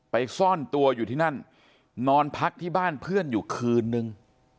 ซ่อนตัวอยู่ที่นั่นนอนพักที่บ้านเพื่อนอยู่คืนนึง